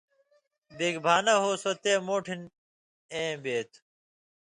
بگی بھانہ ہُوسو تی مُوٹِھن اېں بے تُھو۔